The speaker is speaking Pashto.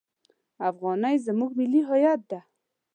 افغانۍ زموږ ملي هویت ده!